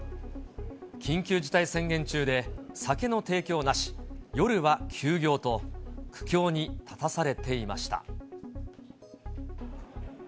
緊急事態宣言中で、酒の提供なし、夜は休業と、苦境に立たされていました。